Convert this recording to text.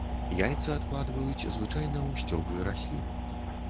Яйцы адкладваюць звычайна ў сцёблы раслін.